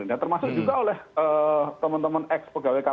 dan termasuk juga oleh teman teman ex pegawai kpk ini